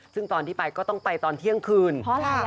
ซึ่งตอนที่ไปก็ต้องไปตอนเที่ยงคืนเพราะอะไร